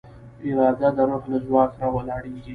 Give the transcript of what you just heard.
اراده د روح له ځواک راولاړېږي.